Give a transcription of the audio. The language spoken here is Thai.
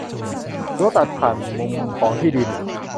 รั้วตัดผ่านมุมของที่ดิน